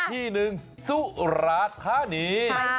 ที่หนึ่งสุราธานี